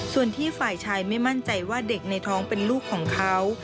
ส่วนที่ฝ่ายชายไม่มั่นใจว่าเด็กในท้องเป็นลูกของเขา